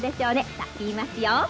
さあ言いますよ。